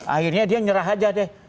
akhirnya dia nyerah aja deh